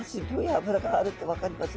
脂があるって分かります。